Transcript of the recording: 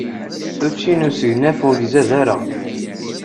Učči n usegnaf ur izad wara.